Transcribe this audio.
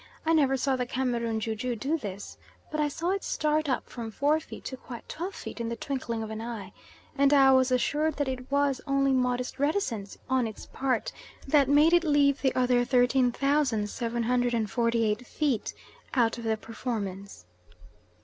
I never saw the Cameroon ju ju do this, but I saw it start up from four feet to quite twelve feet in the twinkling of an eye, and I was assured that it was only modest reticence on its part that made it leave the other 13,748 feet out of the performance.